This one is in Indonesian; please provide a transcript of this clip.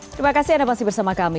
terima kasih anda masih bersama kami